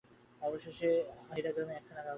অবশেষে আহিরগ্রামও একখানা কাগজ বাহির করিল।